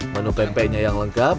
menu pempeknya yang lengkap